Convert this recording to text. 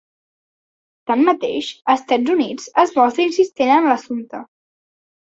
Tanmateix, Estats Units es mostra insistent en l'assumpte.